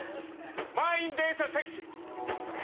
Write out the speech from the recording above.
満員電車セクシー。